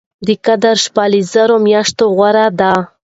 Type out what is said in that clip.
د قدر شپه له زرو مياشتو غوره ده